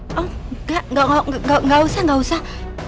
oh enggak enggak usah enggak usah